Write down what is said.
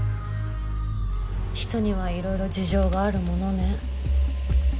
人にはいろいろ事情があるものね。